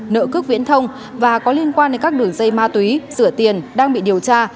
nợ cước viễn thông và có liên quan đến các đường dây ma túy rửa tiền đang bị điều tra